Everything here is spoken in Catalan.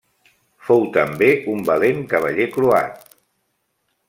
Fou també un valent cavaller croat.